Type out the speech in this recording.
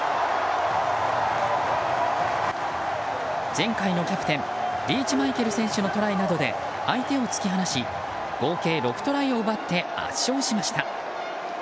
前回のキャプテンリーチマイケル選手のトライなどで相手を突き放し合計６トライを奪って圧勝しました。